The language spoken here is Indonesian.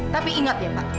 tapi ingat ya pak